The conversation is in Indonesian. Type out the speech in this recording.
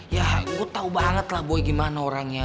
ya gue tau banget lah gue gimana orangnya